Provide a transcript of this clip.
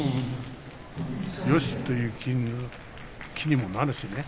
よし！という気にもなるしね。